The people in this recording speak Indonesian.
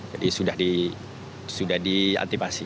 jadi sudah diaktifasi